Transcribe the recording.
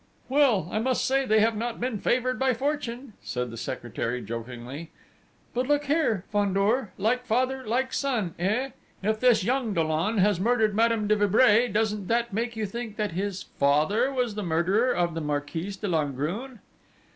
"Well, I must say they have not been favoured by fortune," said the secretary jokingly. "But, look here, Fandor like father, like son, eh?... If this young Dollon has murdered Madame de Vibray, doesn't that make you think that his father was the murderer of the Marquise de Langrune?"